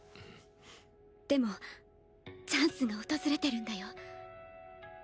でもチャンスが訪れてるんだよ。